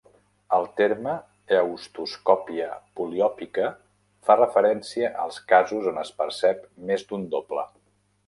El terme heautoscòpia poliòpica fa referència als casos on es percep més d'un doble.